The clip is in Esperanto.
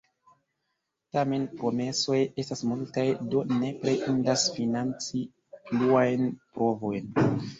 Tamen promesoj estas multaj, do nepre indas financi pluajn provojn.